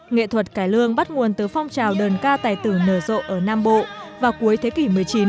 nghệ thuật cải lương bắt nguồn từ phong trào đơn ca tài tử nở rộ ở nam bộ vào cuối thế kỷ một mươi chín